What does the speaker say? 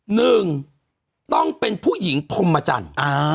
หนึ่งต้องเป็นผู้หญิงพรมจันทร์